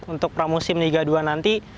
untuk pramusim liga dua nanti